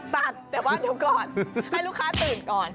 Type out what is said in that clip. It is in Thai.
ตัดแต่ว่าเดี๋ยวก่อนให้ลูกค้าตื่นก่อน